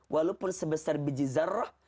walaupun sebesar biji zarrah